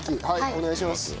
お願いします。